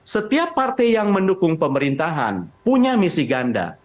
setiap partai yang mendukung pemerintahan punya misi ganda